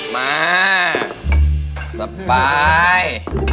มาสบาย